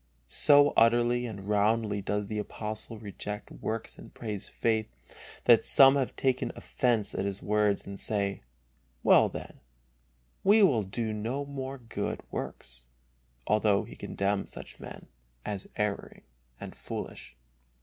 So utterly and roundly does the Apostle reject works and praise faith, that some have taken offence at his words and say: "Well, then, we will do no more good works," although he condemns such men as erring and foolish.